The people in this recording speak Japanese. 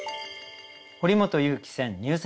堀本裕樹選